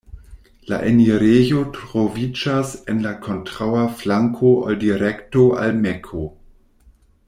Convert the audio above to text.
La enirejo troviĝas en la kontraŭa flanko ol direkto al Mekko.